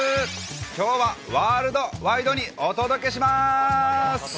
きょうはワールドワイドにお届けします。